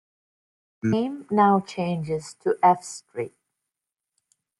The name now changes to F Street.